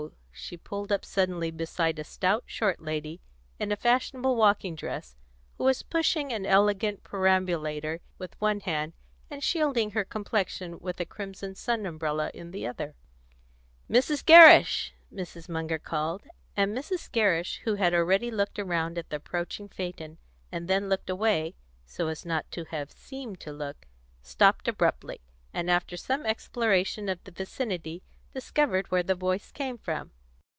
She pulled up suddenly beside a stout, short lady in a fashionable walking dress, who was pushing an elegant perambulator with one hand, and shielding her complexion with a crimson sun umbrella in the other. "Mrs. Gerrish!" Mrs. Munger called; and Mrs. Gerrish, who had already looked around at the approaching phaeton, and then looked away, so as not to have seemed to look, stopped abruptly, and after some exploration of the vicinity, discovered where the voice came from.